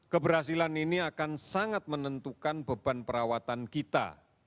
keberhasilan ini akan sangat menentukan beban perawatan kita